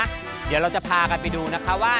เดี๋ยวเราจะพากันไปดูนะคะว่า